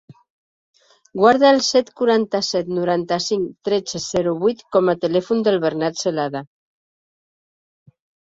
Guarda el set, quaranta-set, noranta-cinc, tretze, zero, vuit com a telèfon del Bernat Celada.